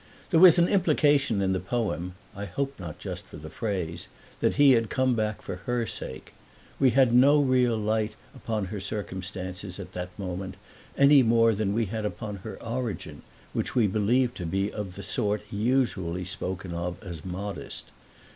There was an implication in the poem (I hope not just for the phrase) that he had come back for her sake. We had no real light upon her circumstances at that moment, any more than we had upon her origin, which we believed to be of the sort usually spoken of as modest.